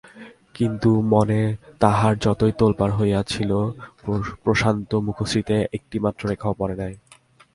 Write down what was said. কিন্তু মনে তাঁহার যতই তোলপাড় হইয়াছিল, প্রশান্ত মুখশ্রীতে একটিমাত্র রেখাও পড়ে নাই।